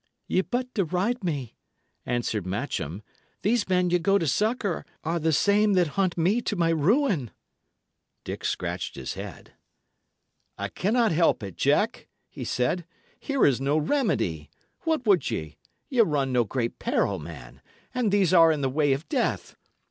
"Ye but deride me," answered Matcham. "These men ye go to succour are the I same that hunt me to my ruin." Dick scratched his head. "I cannot help it, Jack," he said. "Here is no remedy. What would ye? Ye run no great peril, man; and these are in the way of death.